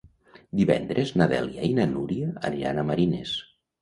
Divendres na Dèlia i na Núria aniran a Marines.